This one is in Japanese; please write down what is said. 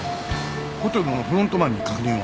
ホテルのフロントマンに確認は？